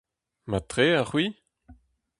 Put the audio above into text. Mat tre, ha c'hwi ?